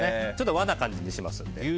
和な感じにします。